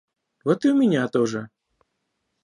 Вот и у меня тоже